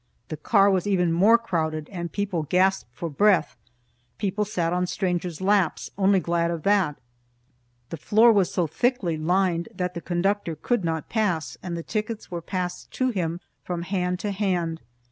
The car was even more crowded, and people gasped for breath. People sat in strangers' laps, only glad of that. The floor was so thickly lined that the conductor could not pass, and the tickets were passed to him from hand to hand.